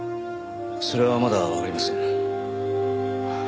それはまだわかりません。